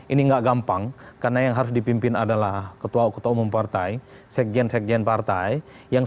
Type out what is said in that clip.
ini gak gampang karena yang harus dipimpin adalah ketua ketua umum partai sekjen sekjen partai yang semuanya adalah pemain partai